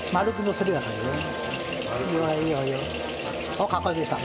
おっかっこよくできた！